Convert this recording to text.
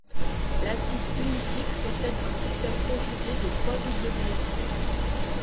L'acide punicique possède un système conjugué de trois doubles liaisons.